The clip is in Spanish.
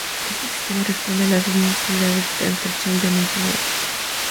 Este sistema responde a las dos necesidades de transcripción ya mencionadas.